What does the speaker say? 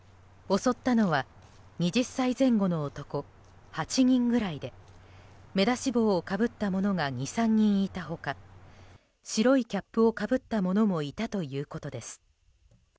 襲ったのは２０歳前後の男８人ぐらいで目出し帽をかぶった者が２３人いた他白いキャップをかぶった者もいたということです。